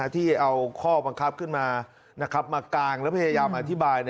ที่เอาข้อบังคับขึ้นมามากางแล้วพยายามอธิบาย